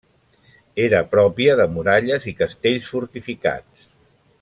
Era pròpia de muralles i castells fortificats.